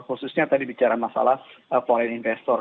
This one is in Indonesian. khususnya tadi bicara masalah foreign investor